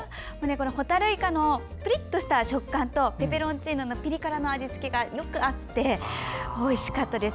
ホタルイカのプリッとした食感とペペロンチーノのピリ辛の味付けがよく合っておいしかったです。